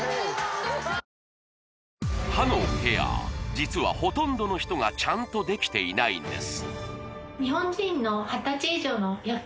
実はほとんどの人がちゃんとできていないんです